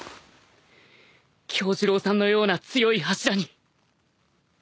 杏寿郎さんのような強い柱に。